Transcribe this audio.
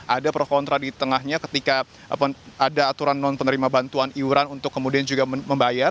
ada pro kontra di tengahnya ketika ada aturan non penerima bantuan iuran untuk kemudian juga membayar